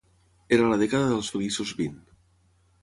Era la dècada dels feliços vint.